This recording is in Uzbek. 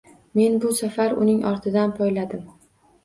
Men bu safar uning ortidan poyladim